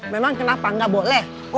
memang kenapa ga boleh